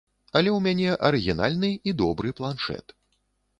Але ў мяне арыгінальны і добры планшэт.